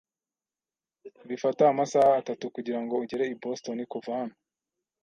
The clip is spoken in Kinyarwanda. Bifata amasaha atatu kugirango ugere i Boston kuva hano.